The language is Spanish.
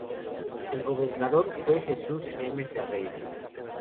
El Gobernador fue Jesús M. Ferreira.